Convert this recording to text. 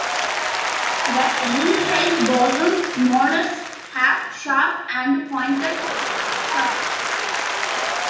The ringtail possum's molars have sharp and pointed cusps.